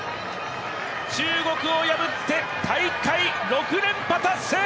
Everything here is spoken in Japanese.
中国を破って、大会６連覇達成！